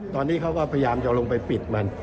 ตอนนี้เขาก็พยายามจะลงไปปิดมัน